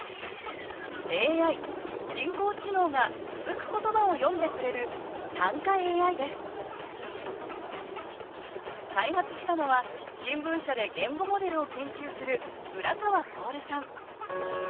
ＡＩ＝人工知能が続く言葉を詠んでくれる開発したのは新聞社で言語モデルを研究する浦川通さん